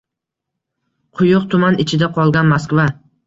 Quyuq tuman ichida qolgan Moskva